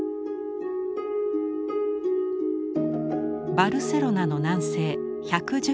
バルセロナの南西１１０